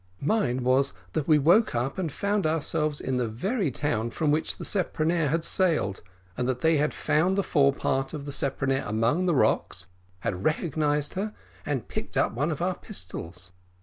"Mine was, that we woke up and found ourselves in the very town from which the speronare had sailed, and that they had found the fore part of the speronare among the rocks, and recognised her, and picked up one of our pistols.